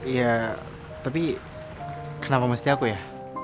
ya tapi kenapa mesti aku ya